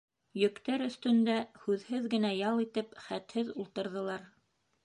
«Йөк»тәр өҫтөндә һүҙһеҙ генә ял итеп хәтһеҙ ултырҙылар.